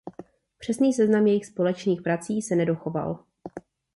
Přesný seznam jejich společných prací se nedochoval.